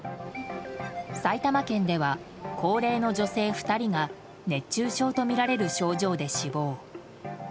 埼玉県では高齢の女性２人が熱中症とみられる症状で死亡。